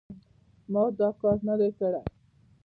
ما دا کار نه دی کړی.